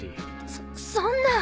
そそんな。